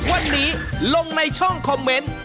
วันนี้ลงในช่องคอมเมนต์